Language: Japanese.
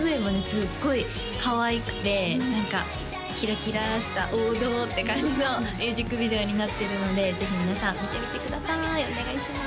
すっごいかわいくて何かキラキラした王道って感じのミュージックビデオになってるのでぜひ皆さん見てみてくださいお願いします